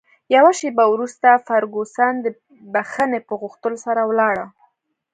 یوه شیبه وروسته فرګوسن د بښنې په غوښتلو سره ولاړه.